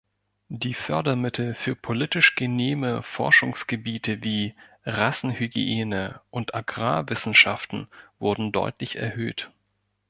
Die Fördermittel für politisch genehme Forschungsgebiete wie „Rassenhygiene“ und Agrarwissenschaften wurden deutlich erhöht.